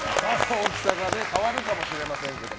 大きさがね変わるかもしれませんけれども。